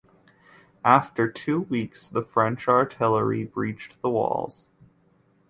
After two weeks the French artillery breached the walls.